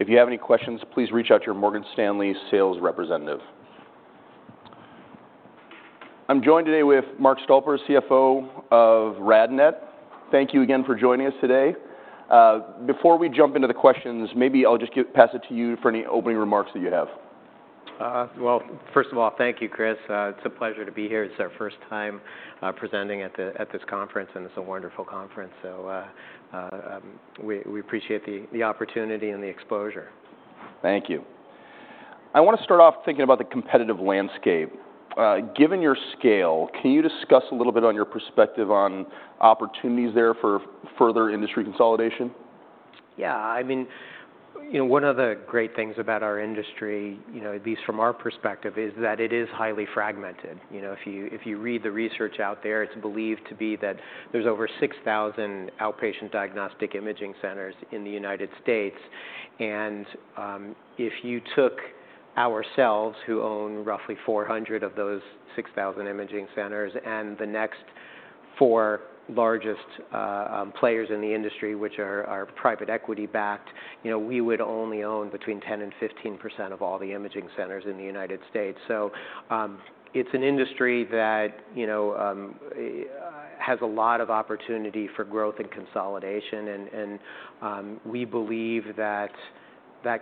If you have any questions, please reach out to your Morgan Stanley sales representative. I'm joined today with Mark Stolper, CFO of RadNet. Thank you again for joining us today. Before we jump into the questions, maybe I'll just pass it to you for any opening remarks that you have. Well, first of all, thank you, Chris. It's a pleasure to be here. It's our first time presenting at this conference, and it's a wonderful conference. We appreciate the opportunity and the exposure. Thank you. I want to start off thinking about the competitive landscape. Given your scale, can you discuss a little bit on your perspective on opportunities there for further industry consolidation? Yeah. I mean, you know, one of the great things about our industry, you know, at least from our perspective, is that it is highly fragmented. You know, if you read the research out there, it's believed to be that there's over 6,000 outpatient diagnostic imaging centers in the United States. And if you took ourselves, who own roughly 400 of those 6,000 imaging centers, and the next four largest players in the industry, which are private equity-backed, you know, we would only own between 10% and 15% of all the imaging centers in the United States. So, it's an industry that, you know, has a lot of opportunity for growth and consolidation, and we believe that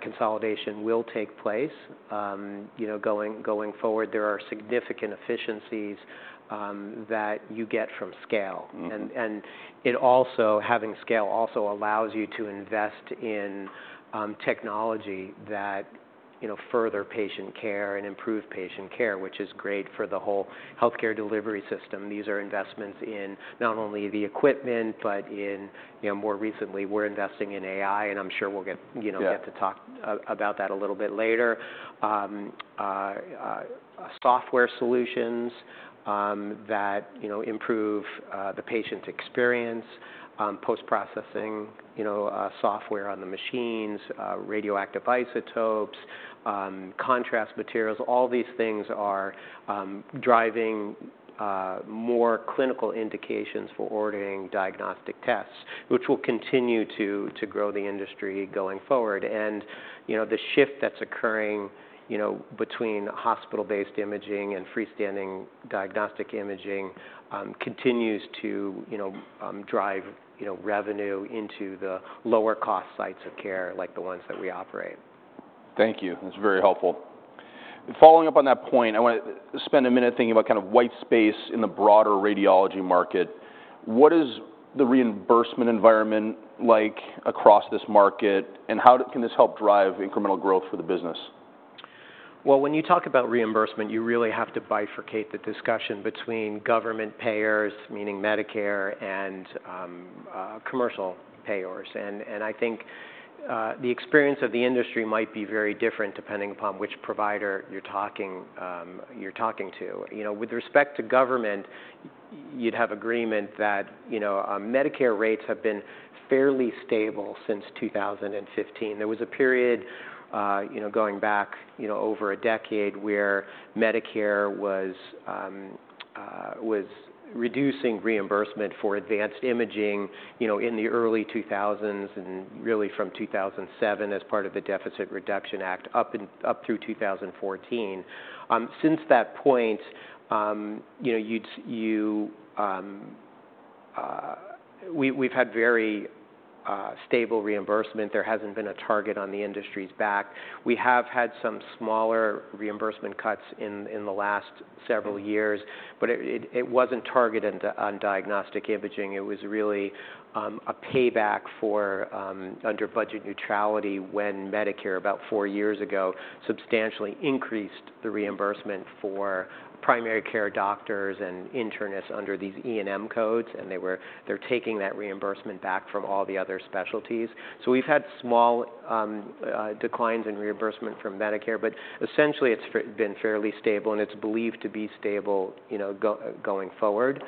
consolidation will take place. You know, going forward, there are significant efficiencies that you get from scale. Mm-hmm. It also, having scale also allows you to invest in technology that, you know, further patient care and improve patient care, which is great for the whole healthcare delivery system. These are investments in not only the equipment, but in. You know, more recently, we're investing in AI, and I'm sure we'll get, you know- Yeah... get to talk about that a little bit later. Software solutions that, you know, improve the patient experience, post-processing, you know, software on the machines, radioactive isotopes, contrast materials, all these things are driving more clinical indications for ordering diagnostic tests, which will continue to grow the industry going forward, and, you know, the shift that's occurring, you know, between hospital-based imaging and freestanding diagnostic imaging, continues to, you know, drive revenue into the lower cost sites of care, like the ones that we operate. Thank you. That's very helpful. Following up on that point, I want to spend a minute thinking about kind of white space in the broader radiology market. What is the reimbursement environment like across this market, and how can this help drive incremental growth for the business? When you talk about reimbursement, you really have to bifurcate the discussion between government payers, meaning Medicare and commercial payers, and I think the experience of the industry might be very different depending upon which provider you're talking to. You know, with respect to government, you'd have agreement that, you know, Medicare rates have been fairly stable since two thousand and fifteen. There was a period, you know, going back, you know, over a decade, where Medicare was reducing reimbursement for advanced imaging, you know, in the early two thousands and really from two thousand and seven as part of the Deficit Reduction Act, up through two thousand and fourteen. Since that point, you know, you'd say we've had very stable reimbursement. There hasn't been a target on the industry's back. We have had some smaller reimbursement cuts in the last several years, but it wasn't targeted on diagnostic imaging. It was really a payback for under budget neutrality when Medicare, about four years ago, substantially increased the reimbursement for primary care doctors and internists under these E&M codes, and they're taking that reimbursement back from all the other specialties. So we've had small declines in reimbursement from Medicare, but essentially, it's been fairly stable, and it's believed to be stable, you know, going forward.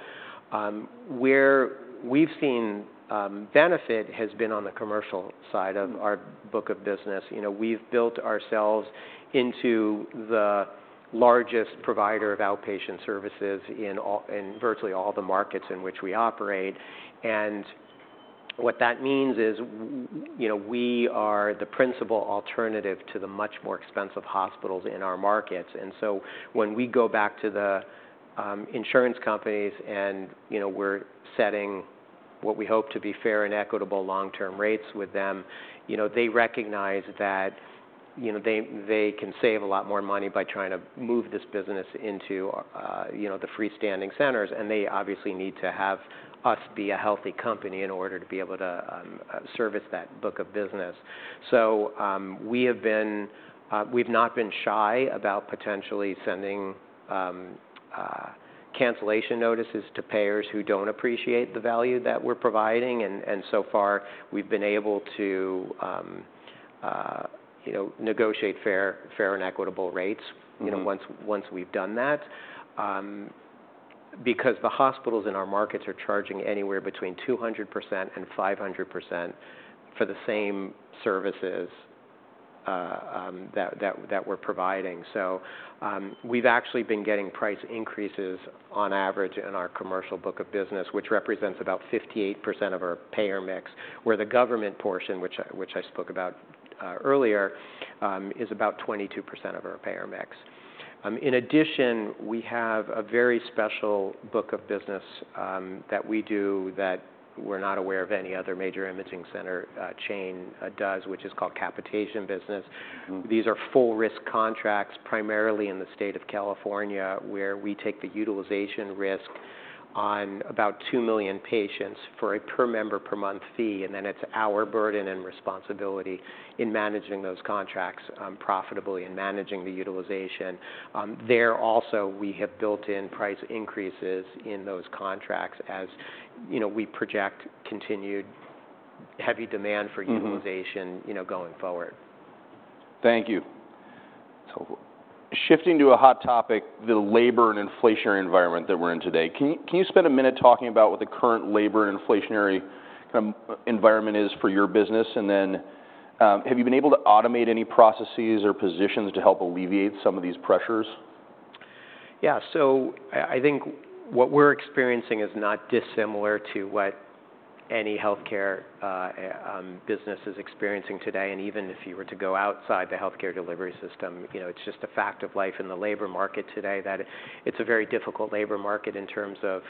Where we've seen benefit has been on the commercial side of our book of business. You know, we've built ourselves into the largest provider of outpatient services in virtually all the markets in which we operate, and what that means is you know, we are the principal alternative to the much more expensive hospitals in our markets. And so when we go back to the insurance companies and, you know, we're setting what we hope to be fair and equitable long-term rates with them, you know, they recognize that, you know, they can save a lot more money by trying to move this business into you know, the freestanding centers, and they obviously need to have us be a healthy company in order to be able to service that book of business. So, we've not been shy about potentially sending cancellation notices to payers who don't appreciate the value that we're providing, and so far, we've been able to, you know, negotiate fair and equitable rates. Mm-hmm... you know, once we've done that, because the hospitals in our markets are charging anywhere between 200% and 500% for the same services that we're providing. So, we've actually been getting price increases on average in our commercial book of business, which represents about 58% of our payer mix, where the government portion, which I spoke about earlier, is about 22% of our payer mix. In addition, we have a very special book of business that we do that we're not aware of any other major imaging center chain does, which is called capitation business. These are full-risk contracts, primarily in the state of California, where we take the utilization risk on about two million patients for a per member per month fee, and then it's our burden and responsibility in managing those contracts, profitably and managing the utilization. There also, we have built in price increases in those contracts as, you know, we project continued heavy demand- Mm-hmm... for utilization, you know, going forward. Thank you. So shifting to a hot topic, the labor and inflationary environment that we're in today. Can you, can you spend a minute talking about what the current labor and inflationary environment is for your business? And then, have you been able to automate any processes or positions to help alleviate some of these pressures? Yeah. So I think what we're experiencing is not dissimilar to what any healthcare business is experiencing today, and even if you were to go outside the healthcare delivery system, you know, it's just a fact of life in the labor market today, that it's a very difficult labor market in terms of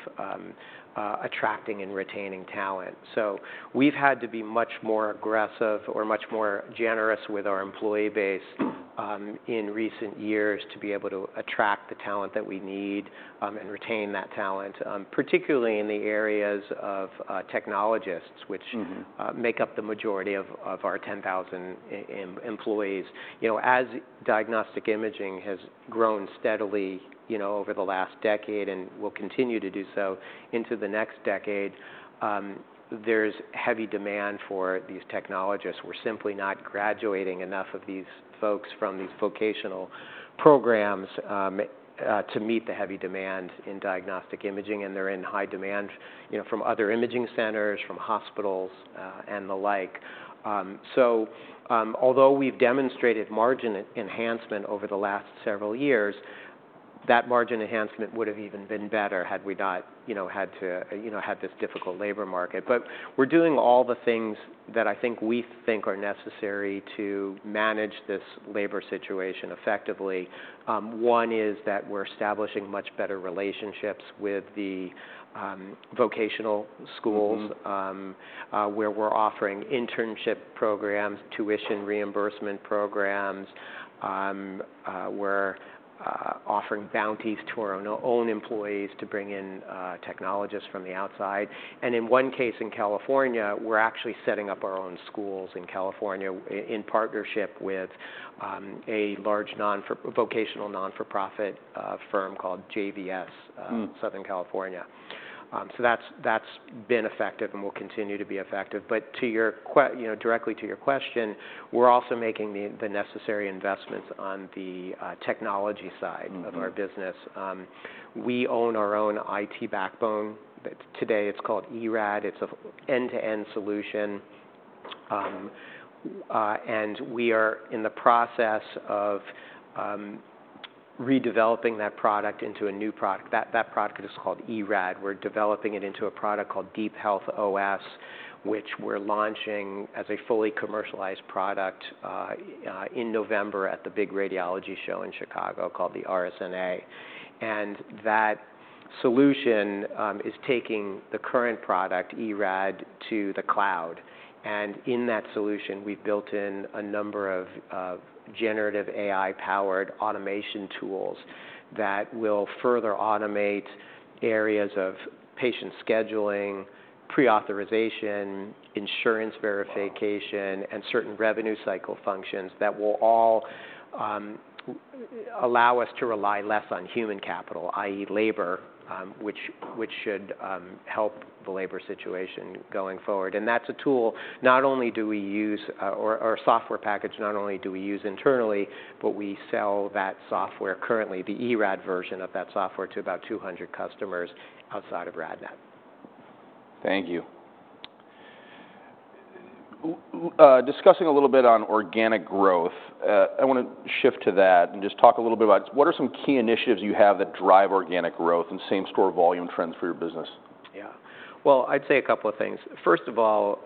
attracting and retaining talent. So we've had to be much more aggressive or much more generous with our employee base in recent years, to be able to attract the talent that we need and retain that talent, particularly in the areas of technologists- Mm-hmm... which make up the majority of our 10,000 employees. You know, as diagnostic imaging has grown steadily, you know, over the last decade and will continue to do so into the next decade, there's heavy demand for these technologists. We're simply not graduating enough of these folks from these vocational programs to meet the heavy demand in diagnostic imaging, and they're in high demand, you know, from other imaging centers, from hospitals, and the like. So, although we've demonstrated margin enhancement over the last several years, that margin enhancement would have even been better had we not, you know, had to, you know, had this difficult labor market. But we're doing all the things that I think we think are necessary to manage this labor situation effectively. One is that we're establishing much better relationships with the vocational schools- Mm-hmm... where we're offering internship programs, tuition reimbursement programs, we're offering bounties to our own employees to bring in technologists from the outside. And in one case in California, we're actually setting up our own schools in California, in partnership with a large vocational nonprofit firm called JVS. Mm... Southern California. So that's been effective and will continue to be effective. But to your, you know, directly to your question, we're also making the necessary investments on the technology side. Mm-hmm... of our business. We own our own IT backbone. Today, it's called eRAD. It's an end-to-end solution. And we are in the process of redeveloping that product into a new product. That product is called eRAD. We're developing it into a product called DeepHealth OS, which we're launching as a fully commercialized product in November at the big radiology show in Chicago called the RSNA. And that solution is taking the current product, eRAD, to the cloud, and in that solution, we've built in a number of generative AI-powered automation tools that will further automate areas of patient scheduling, pre-authorization, insurance verification- Wow!... and certain revenue cycle functions that will all allow us to rely less on human capital, i.e., labor, which should help the labor situation going forward. And that's a tool not only do we use a software package, not only do we use internally, but we sell that software, currently the eRAD version of that software, to about 200 customers outside of RadNet. Thank you. Discussing a little bit on organic growth, I want to shift to that and just talk a little bit about what are some key initiatives you have that drive organic growth and same-store volume trends for your business? Yeah. Well, I'd say a couple of things. First of all,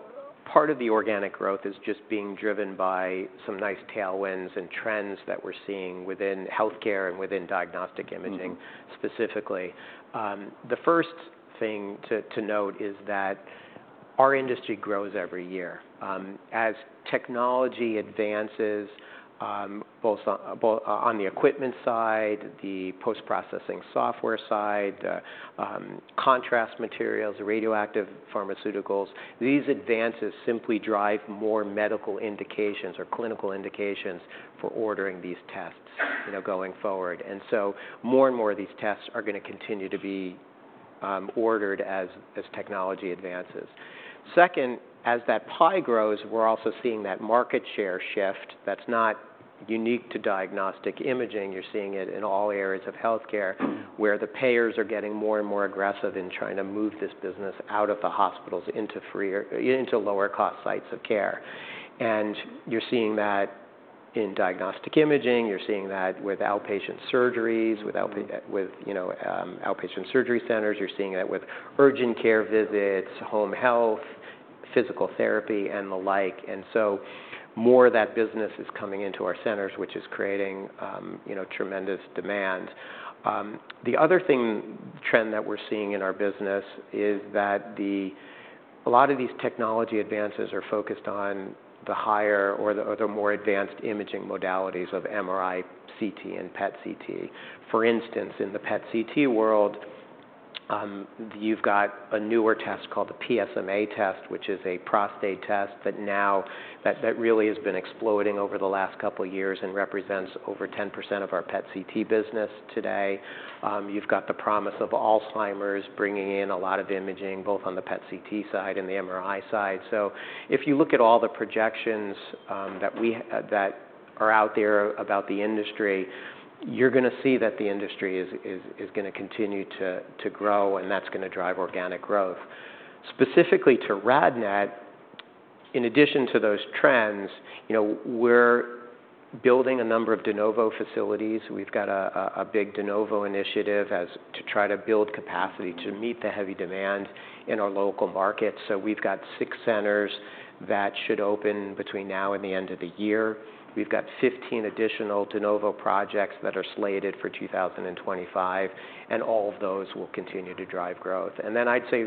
part of the organic growth is just being driven by some nice tailwinds and trends that we're seeing within healthcare and within diagnostic imaging- Mm-hmm... specifically. The first thing to note is that our industry grows every year. As technology advances, both on the equipment side, the post-processing software side, the contrast materials, radioactive pharmaceuticals, these advances simply drive more medical indications or clinical indications for ordering these tests, you know, going forward. And so more and more of these tests are gonna continue to be ordered as technology advances. Second, as that pie grows, we're also seeing that market share shift that's not unique to diagnostic imaging. You're seeing it in all areas of healthcare, where the payers are getting more and more aggressive in trying to move this business out of the hospitals into freestanding or lower cost sites of care. And you're seeing that in diagnostic imaging. You're seeing that with outpatient surgeries, with, you know, outpatient surgery centers. You're seeing that with urgent care visits, home health, physical therapy, and the like. And so more of that business is coming into our centers, which is creating, you know, tremendous demand. The other trend that we're seeing in our business is that a lot of these technology advances are focused on the higher or the more advanced imaging modalities of MRI, CT, and PET CT. For instance, in the PET CT world, you've got a newer test called the PSMA test, which is a prostate test, that really has been exploding over the last couple of years and represents over 10% of our PET CT business today. You've got the promise of Alzheimer's bringing in a lot of imaging, both on the PET CT side and the MRI side. So if you look at all the projections, that are out there about the industry, you're gonna see that the industry is gonna continue to grow, and that's gonna drive organic growth. Specifically to RadNet, in addition to those trends, you know, we're building a number of de novo facilities. We've got a big de novo initiative to try to build capacity to meet the heavy demand in our local markets. So we've got six centers that should open between now and the end of the year. We've got fifteen additional de novo projects that are slated for two thousand and twenty-five, and all of those will continue to drive growth. I'd say,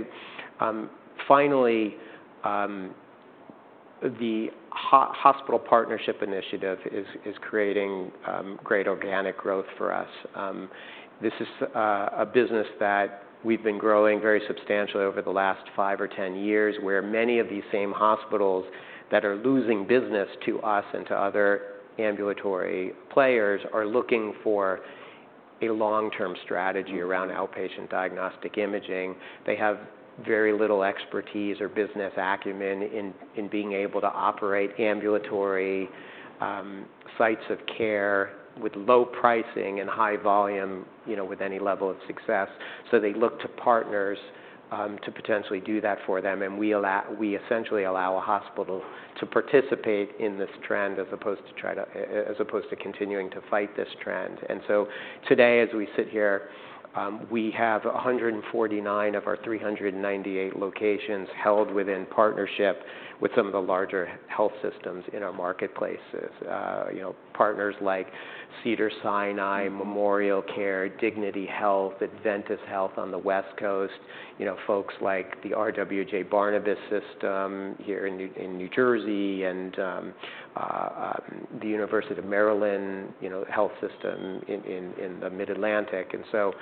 finally, the hospital partnership initiative is creating great organic growth for us. This is a business that we've been growing very substantially over the last five or ten years, where many of these same hospitals that are losing business to us and to other ambulatory players are looking for a long-term strategy around outpatient diagnostic imaging. They have very little expertise or business acumen in being able to operate ambulatory sites of care with low pricing and high volume, you know, with any level of success, so they look to partners to potentially do that for them, and we essentially allow a hospital to participate in this trend, as opposed to continuing to fight this trend. And so today, as we sit here, we have a hundred and forty-nine of our three hundred and ninety-eight locations held within partnership with some of the larger health systems in our marketplaces. You know, partners like Cedars-Sinai, MemorialCare, Dignity Health, Adventist Health on the West Coast. You know, folks like the RWJBarnabas system here in New Jersey, and the University of Maryland Medical System in the Mid-Atlantic. And so,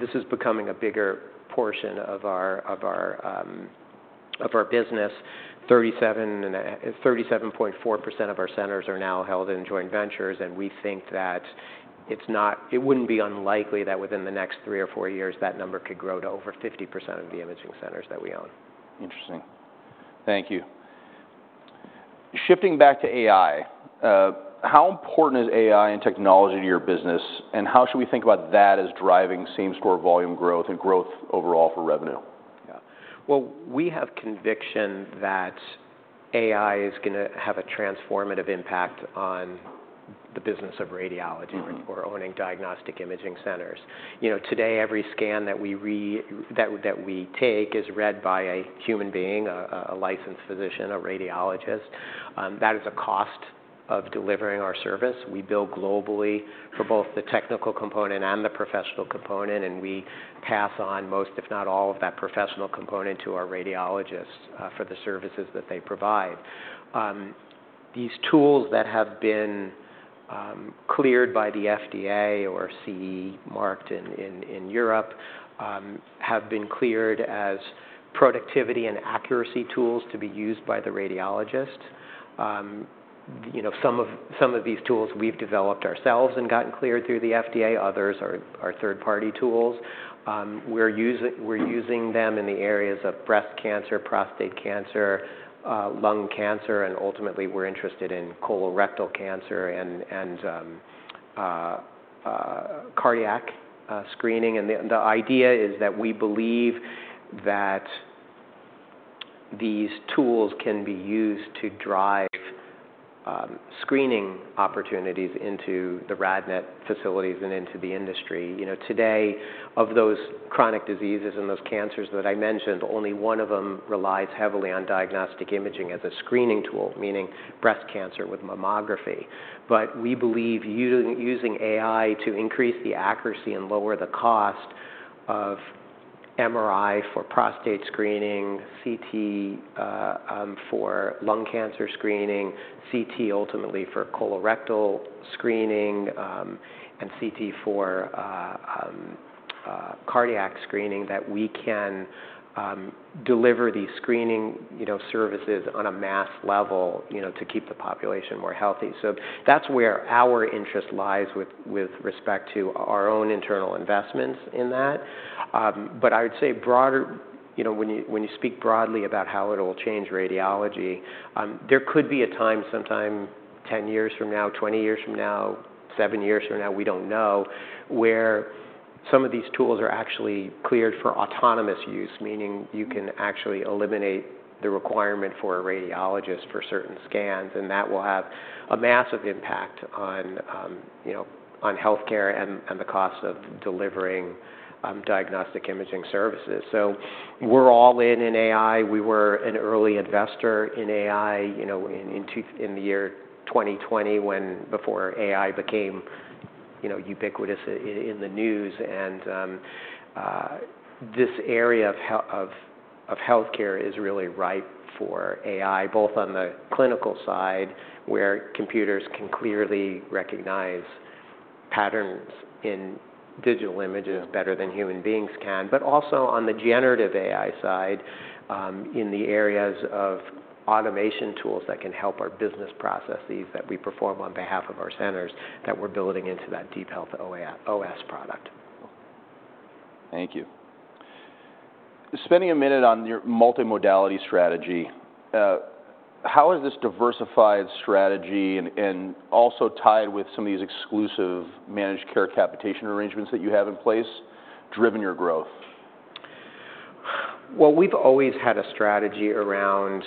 this is becoming a bigger portion of our business. 37.4% of our centers are now held in joint ventures, and we think that it wouldn't be unlikely that within the next three or four years, that number could grow to over 50% of the imaging centers that we own. Interesting. Thank you. Shifting back to AI, how important is AI and technology to your business, and how should we think about that as driving same-store volume growth and growth overall for revenue? Yeah, well, we have conviction that AI is gonna have a transformative impact on the business of radiology- Mm-hmm... for owning diagnostic imaging centers. You know, today, every scan that we take is read by a human being, a licensed physician, a radiologist. That is a cost of delivering our service. We bill globally for both the technical component and the professional component, and we pass on most, if not all, of that professional component to our radiologists for the services that they provide. These tools that have been cleared by the FDA or CE marked in Europe have been cleared as productivity and accuracy tools to be used by the radiologist. You know, some of these tools we've developed ourselves and gotten cleared through the FDA, others are third-party tools. We're using them in the areas of breast cancer, prostate cancer, lung cancer, and ultimately, we're interested in colorectal cancer and cardiac screening. And the idea is that we believe that these tools can be used to drive screening opportunities into the RadNet facilities and into the industry. You know, today, of those chronic diseases and those cancers that I mentioned, only one of them relies heavily on diagnostic imaging as a screening tool, meaning breast cancer with mammography. But we believe using AI to increase the accuracy and lower the cost of MRI for prostate screening, CT for lung cancer screening, CT ultimately for colorectal screening, and CT for cardiac screening, that we can deliver these screening, you know, services on a mass level, you know, to keep the population more healthy. So that's where our interest lies with respect to our own internal investments in that. But I would say broader, you know, when you speak broadly about how it'll change radiology, there could be a time, sometime 10 years from now, 20 years from now, seven years from now, we don't know, where-... Some of these tools are actually cleared for autonomous use, meaning you can actually eliminate the requirement for a radiologist for certain scans, and that will have a massive impact on, you know, on healthcare and, and the cost of delivering, diagnostic imaging services. So we're all in, in AI. We were an early investor in AI, you know, in, in the year 2020, when before AI became, you know, ubiquitous in the news. This area of healthcare is really ripe for AI, both on the clinical side, where computers can clearly recognize patterns in digital images better than human beings can, but also on the generative AI side, in the areas of automation tools that can help our business processes that we perform on behalf of our centers that we're building into that DeepHealth OS product. Thank you. Spending a minute on your multimodality strategy, how has this diversified strategy and also tied with some of these exclusive managed care capitation arrangements that you have in place, driven your growth? We've always had a strategy around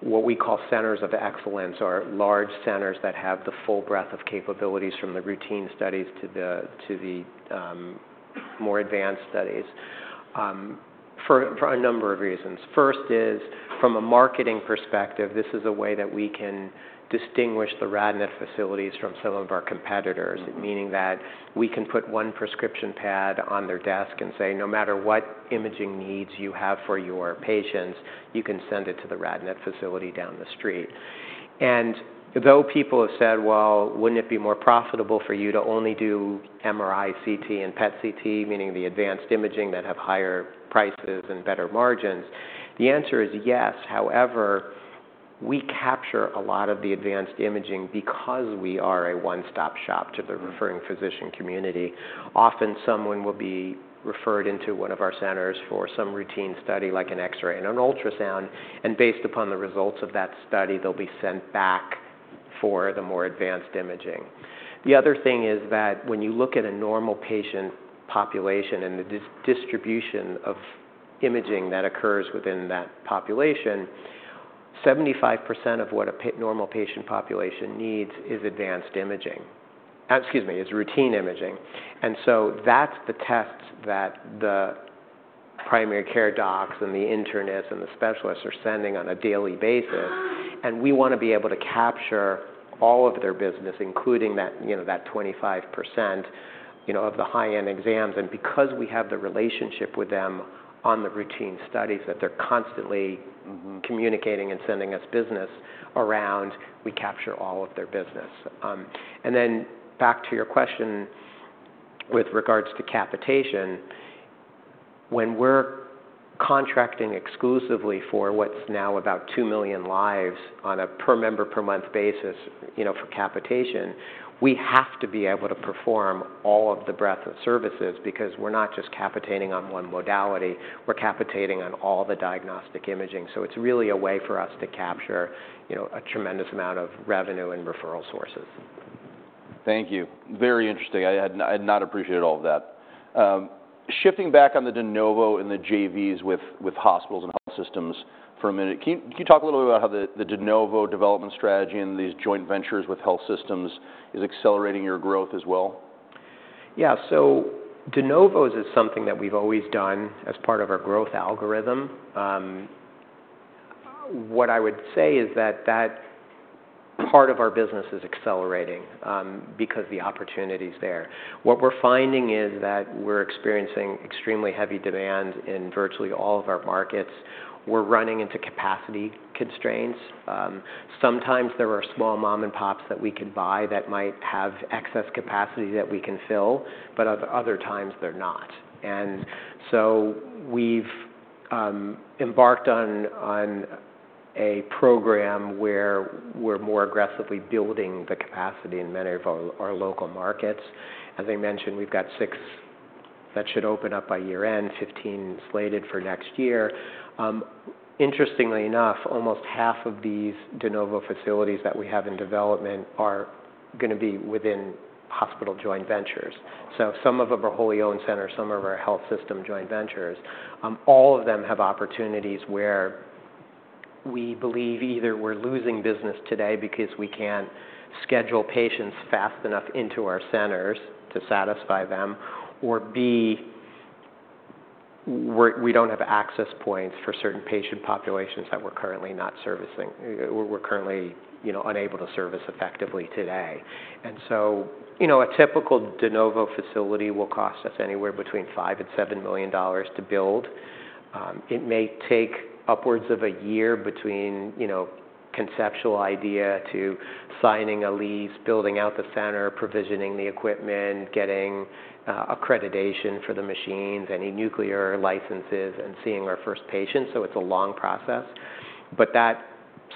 what we call centers of excellence, or large centers that have the full breadth of capabilities, from the routine studies to the more advanced studies, for a number of reasons. First is, from a marketing perspective, this is a way that we can distinguish the RadNet facilities from some of our competitors- Mm-hmm. meaning that we can put one prescription pad on their desk and say, "No matter what imaging needs you have for your patients, you can send it to the RadNet facility down the street." And though people have said, "Well, wouldn't it be more profitable for you to only do MRI, CT, and PET CT?" Meaning the advanced imaging that have higher prices and better margins. The answer is yes. However, we capture a lot of the advanced imaging because we are a one-stop shop to the- Mm-hmm... referring physician community. Often, someone will be referred into one of our centers for some routine study, like an X-ray and an ultrasound, and based upon the results of that study, they'll be sent back for the more advanced imaging. The other thing is that when you look at a normal patient population and the distribution of imaging that occurs within that population, 75% of what a normal patient population needs is advanced imaging, excuse me, is routine imaging. And so that's the tests that the primary care docs, and the internists, and the specialists are sending on a daily basis, and we want to be able to capture all of their business, including that, you know, that 25%, you know, of the high-end exams. And because we have the relationship with them on the routine studies, that they're constantly communicating and sending us business around, we capture all of their business. And then back to your question with regards to capitation. When we're contracting exclusively for what's now about two million lives on a per-member per-month basis, you know, for capitation, we have to be able to perform all of the breadth of services, because we're not just capitating on one modality, we're capitating on all the diagnostic imaging. So it's really a way for us to capture, you know, a tremendous amount of revenue and referral sources. Thank you. Very interesting. I had not appreciated all of that. Shifting back on the de novo and the JVs with hospitals and health systems for a minute, can you talk a little bit about how the de novo development strategy and these joint ventures with health systems is accelerating your growth as well? Yeah. So de novos is something that we've always done as part of our growth algorithm. What I would say is that that part of our business is accelerating, because the opportunity's there. What we're finding is that we're experiencing extremely heavy demand in virtually all of our markets. We're running into capacity constraints. Sometimes there are small mom and pops that we can buy that might have excess capacity that we can fill, but at other times, they're not. And so we've embarked on a program where we're more aggressively building the capacity in many of our local markets. As I mentioned, we've got six that should open up by year-end, 15 slated for next year. Interestingly enough, almost half of these de novo facilities that we have in development are gonna be within hospital joint ventures. Some of them are wholly owned centers, some are our health system joint ventures. All of them have opportunities where we believe either we're losing business today because we can't schedule patients fast enough into our centers to satisfy them, or B, we don't have access points for certain patient populations that we're currently not servicing, or we're currently, you know, unable to service effectively today. And so, you know, a typical de novo facility will cost us anywhere between $5-$7 million to build. It may take upwards of a year between, you know, conceptual idea to signing a lease, building out the center, provisioning the equipment, getting accreditation for the machines, any nuclear licenses, and seeing our first patient, so it's a long process. But that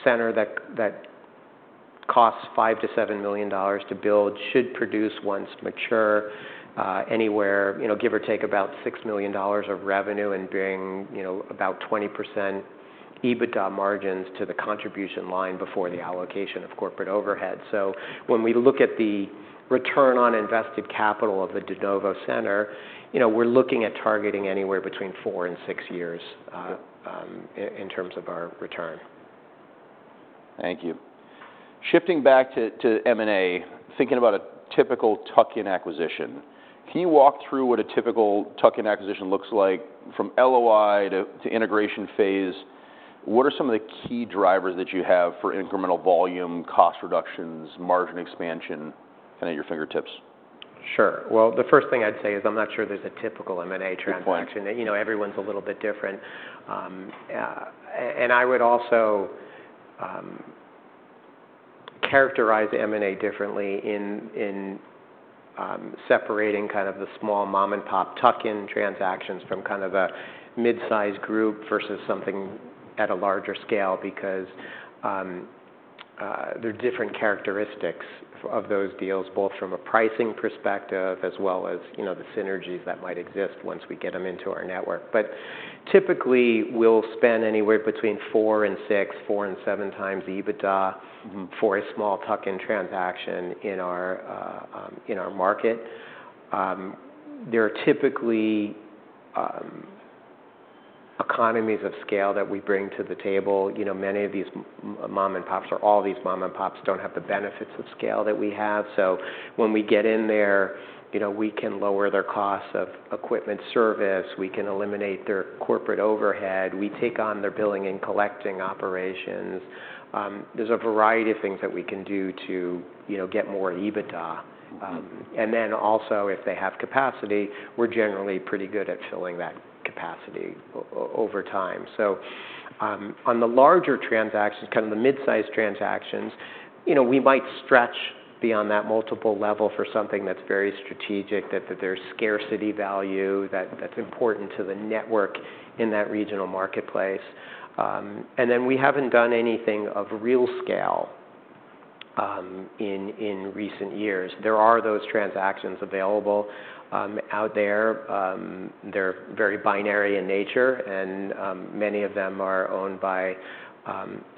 center that costs $5-$7 million to build should produce, once mature, anywhere, you know, give or take about $6 million of revenue and bring, you know, about 20% EBITDA margins to the contribution line before the allocation of corporate overhead. So when we look at the return on invested capital of the de novo center, you know, we're looking at targeting anywhere between four and six years in terms of our return. Thank you. Shifting back to M&A, thinking about a typical tuck-in acquisition, can you walk through what a typical tuck-in acquisition looks like from LOI to integration phase? What are some of the key drivers that you have for incremental volume, cost reductions, margin expansion kind of at your fingertips? Sure, well, the first thing I'd say is I'm not sure there's a typical M&A transaction. Good point. You know, everyone's a little bit different, and I would also characterize M&A differently in separating kind of the small mom-and-pop tuck-in transactions from kind of a mid-sized group versus something at a larger scale, because there are different characteristics of those deals, both from a pricing perspective as well as, you know, the synergies that might exist once we get them into our network, but typically, we'll spend anywhere between four and six, four and seven times the EBITDA for a small tuck-in transaction in our market. There are typically economies of scale that we bring to the table. You know, many of these mom-and-pops, or all these mom-and-pops, don't have the benefits of scale that we have, so when we get in there, you know, we can lower their costs of equipment service. We can eliminate their corporate overhead. We take on their billing and collecting operations. There's a variety of things that we can do to, you know, get more EBITDA. Mm-hmm. And then also, if they have capacity, we're generally pretty good at filling that capacity over time. So, on the larger transactions, kind of the mid-sized transactions, you know, we might stretch beyond that multiple level for something that's very strategic, that there's scarcity value that's important to the network in that regional marketplace. And then we haven't done anything of real scale in recent years. There are those transactions available out there. They're very binary in nature, and many of them are owned by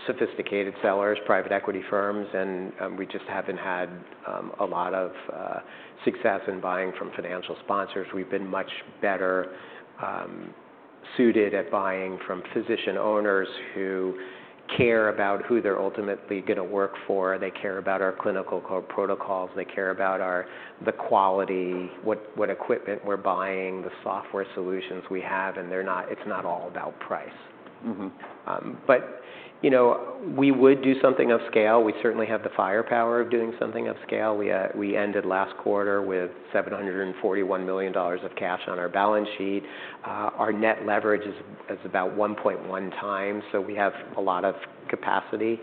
sophisticated sellers, private equity firms, and we just haven't had a lot of success in buying from financial sponsors. We've been much better suited at buying from physician owners who care about who they're ultimately gonna work for. They care about our clinical co-protocols. They care about the quality, what equipment we're buying, the software solutions we have, and it's not all about price. Mm-hmm. You know, we would do something of scale. We certainly have the firepower of doing something of scale. We ended last quarter with $741 million of cash on our balance sheet. Our net leverage is about 1.1 times, so we have a lot of capacity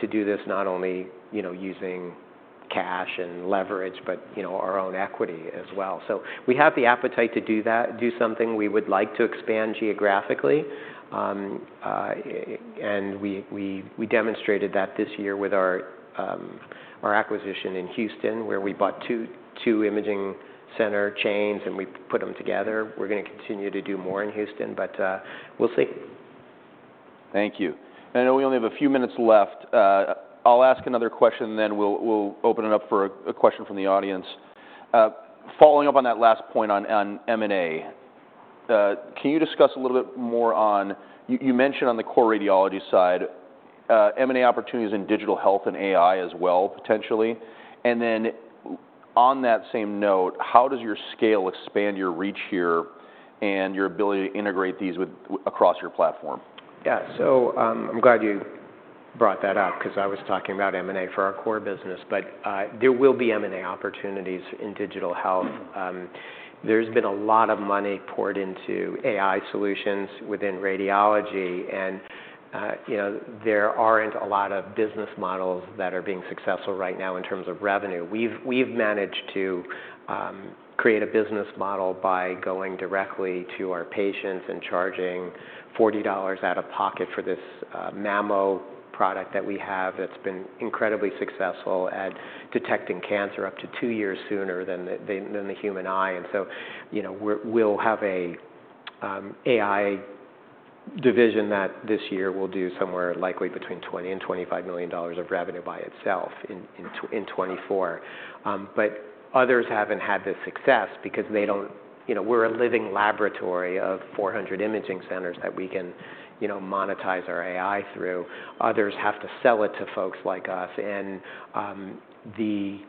to do this, not only, you know, using cash and leverage, but, you know, our own equity as well. So we have the appetite to do that, do something. We would like to expand geographically and we demonstrated that this year with our acquisition in Houston, where we bought two imaging center chains, and we put them together. We're gonna continue to do more in Houston, but we'll see. Thank you. I know we only have a few minutes left. I'll ask another question, and then we'll open it up for a question from the audience. Following up on that last point on M&A, can you discuss a little bit more on... You mentioned on the core radiology side, M&A opportunities in digital health and AI as well, potentially. And then on that same note, how does your scale expand your reach here and your ability to integrate these across your platform? Yeah. So, I'm glad you brought that up, 'cause I was talking about M&A for our core business, but, there will be M&A opportunities in digital health. Mm-hmm. There's been a lot of money poured into AI solutions within radiology, and you know, there aren't a lot of business models that are being successful right now in terms of revenue. We've managed to create a business model by going directly to our patients and charging $40 out of pocket for this mammo product that we have, that's been incredibly successful at detecting cancer up to two years sooner than the human eye. And so, you know, we'll have an AI division that this year will do somewhere likely between $20 million and $25 million of revenue by itself in 2024. But others haven't had this success because they don't know, we're a living laboratory of 400 imaging centers that we can monetize our AI through. Others have to sell it to folks like us, and the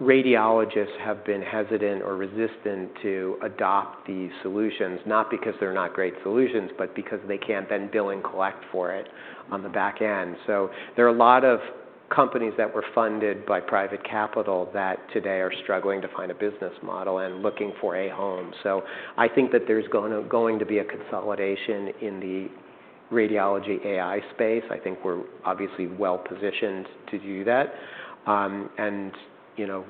radiologists have been hesitant or resistant to adopt these solutions, not because they're not great solutions, but because they can't then bill and collect for it on the back end. So there are a lot of companies that were funded by private capital that today are struggling to find a business model and looking for a home. So I think that there's going to be a consolidation in the radiology AI space. I think we're obviously well positioned to do that, and, you know,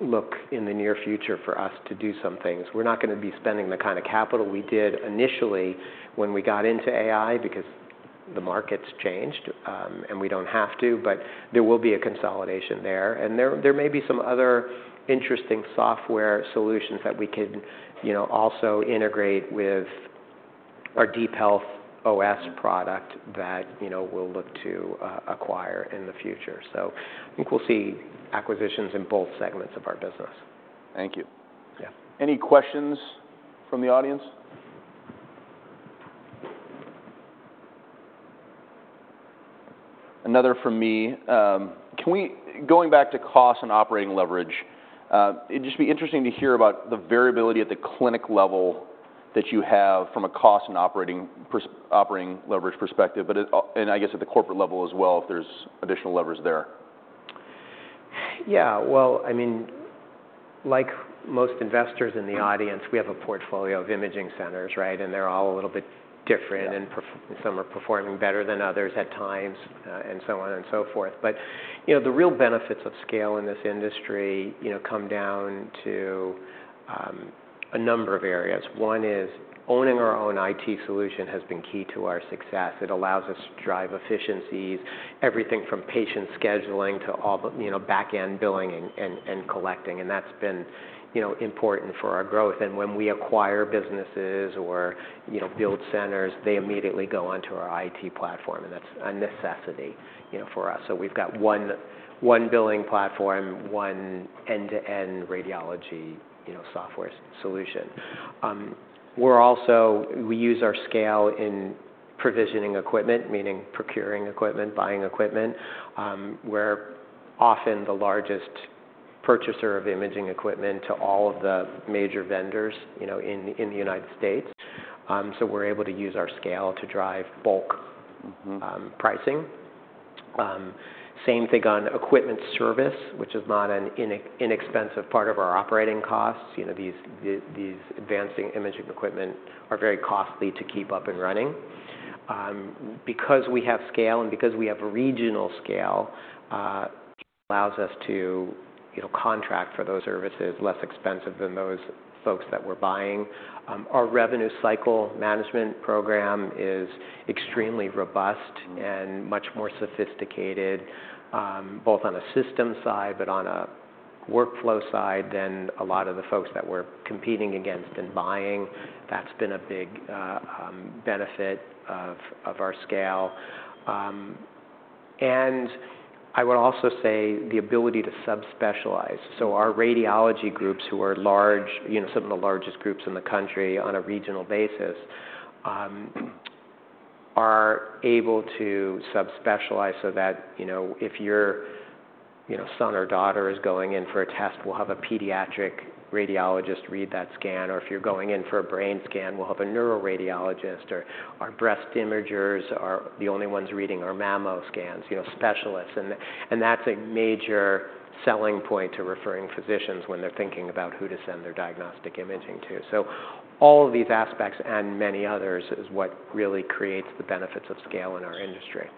look in the near future for us to do some things. We're not gonna be spending the kind of capital we did initially when we got into AI, because the market's changed, and we don't have to, but there will be a consolidation there. There may be some other interesting software solutions that we can, you know, also integrate with our DeepHealth OS product that, you know, we'll look to acquire in the future. I think we'll see acquisitions in both segments of our business. Thank you. Yeah. Any questions from the audience? Another from me. Going back to cost and operating leverage, it'd just be interesting to hear about the variability at the clinic level that you have from a cost and operating leverage perspective, but it also and I guess at the corporate level as well, if there's additional levers there. Yeah. Well, I mean, like most investors in the audience, we have a portfolio of imaging centers, right? And they're all a little bit different- Yeah... and some are performing better than others at times, and so on and so forth. But, you know, the real benefits of scale in this industry, you know, come down to, a number of areas. One is owning our own IT solution has been key to our success. It allows us to drive efficiencies, everything from patient scheduling to all the, you know, back-end billing and collecting, and that's been, you know, important for our growth. And when we acquire businesses or, you know, build centers, they immediately go onto our IT platform, and that's a necessity, you know, for us. So we've got one billing platform, one end-to-end radiology, you know, software solution. We're also we use our scale in provisioning equipment, meaning procuring equipment, buying equipment. We're often the largest purchaser of imaging equipment to all of the major vendors, you know, in the United States, so we're able to use our scale to drive bulk- Mm-hmm... pricing. Same thing on equipment service, which is not an inexpensive part of our operating costs. You know, these advanced imaging equipment are very costly to keep up and running. Because we have scale and because we have a regional scale allows us to, you know, contract for those services less expensive than those folks that we're buying. Our revenue cycle management program is extremely robust and much more sophisticated, both on a system side, but on a workflow side, than a lot of the folks that we're competing against and buying. That's been a big benefit of our scale, and I would also say the ability to subspecialize. So our radiology groups, who are large, you know, some of the largest groups in the country on a regional basis, are able to sub-specialize so that, you know, if your, you know, son or daughter is going in for a test, we'll have a pediatric radiologist read that scan, or if you're going in for a brain scan, we'll have a neuroradiologist, or our breast imagers are the only ones reading our mammo scans, you know, specialists. And that's a major selling point to referring physicians when they're thinking about who to send their diagnostic imaging to. So all of these aspects, and many others, is what really creates the benefits of scale in our industry.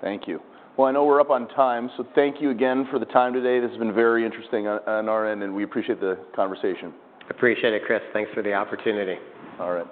Thank you. I know we're up on time, so thank you again for the time today. This has been very interesting on our end, and we appreciate the conversation. Appreciate it, Chris. Thanks for the opportunity. All right.